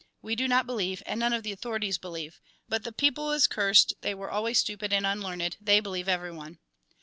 We do not believe, and none of the authorities believe. But the people is cursed, they were always stupid and unlearned ; they believe everyone."